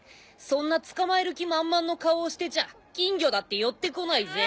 そんな捕まえる気満々の顔をしてちゃ金魚だって寄ってこないぜ。